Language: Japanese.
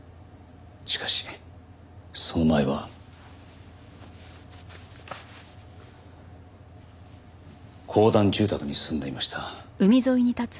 しかしその前は公団住宅に住んでいました。